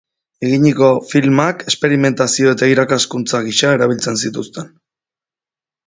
Eginiko filmak, esperimentazio eta irakaskuntza gisa erabiltzen zituzten.